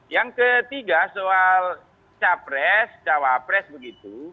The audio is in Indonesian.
yang ketiga soal capres cawapres begitu